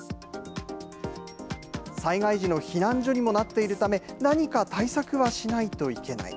災害時の避難所にもなっているため、何か対策はしないといけない。